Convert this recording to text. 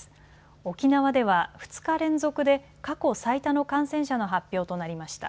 沖縄では２日連続で過去最多の感染者の発表となりました。